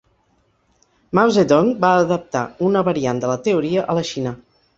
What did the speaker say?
Mao Zedong va adaptar una variant de la teoria a la Xina.